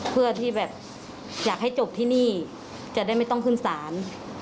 เพื่อที่แบบอยากให้จบที่นี่จะได้ไม่ต้องขึ้นศาล